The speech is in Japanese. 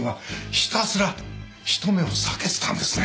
ひたすら人目を避けてたんですね。